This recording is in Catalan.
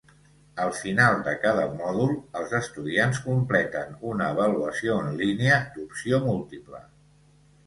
Al final de cada mòdul, els estudiants completen una avaluació en línia d'opció múltiple.